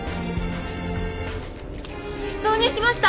挿入しました。